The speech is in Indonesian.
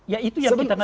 ya itu yang kita gak tahu